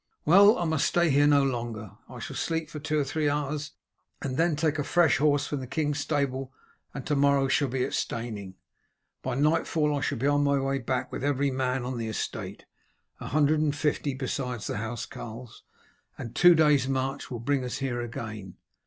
Well, I must stay here no longer. I shall sleep for two or three hours, and then take a fresh horse from the king's stable and to morrow shall be at Steyning. By nightfall I shall be on my way back with every man on the estate, a hundred and fifty besides the housecarls, and two days' march will bring us here again.